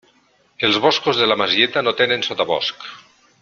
Els boscos de la Masieta no tenen sotabosc.